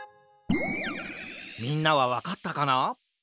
みんなはわかったかな？